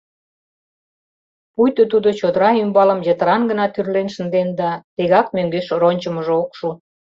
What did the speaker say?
Пуйто тудо чодыра ӱмбалым йытыран гына тӱрлен шынден да тегак мӧҥгеш рончымыжо ок шу.